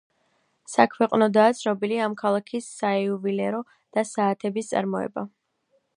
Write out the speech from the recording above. საქვეყნოდაა ცნობილი ამ ქალაქის საიუველირო და საათების წარმოება.